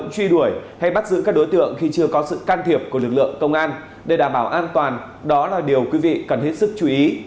chưa có sự can thiệp của lực lượng công an để đảm bảo an toàn đó là điều quý vị cần hết sức chú ý